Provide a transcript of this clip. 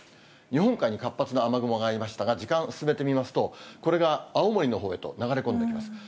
日本海に活発な雨雲がありましたが、時間進めてみますと、これが青森のほうへと流れ込んでいきます。